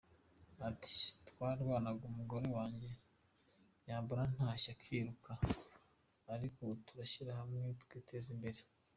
Ati’Twararwanaga, umugore wanjye yambona ntashye akiruka, ariko ubu turashyira hamwe tukiteza imbere”.